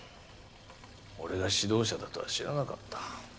俺が指導者だとは知らなかった。